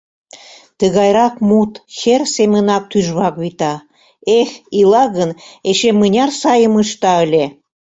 Тыгайрак мут чер семынак тӱжвак вита: эх, ила гын, эше мыняр сайым ышта ыле!..